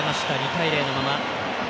２対０のまま。